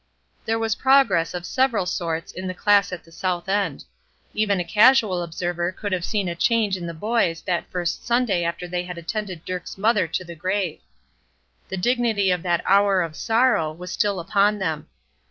There was progress of several sorts in the class at the South End. Even a casual observer could have seen a change in the boys that first Sunday after they had attended Dirk's mother to the grave. The dignity of that hour of sorrow was still upon them.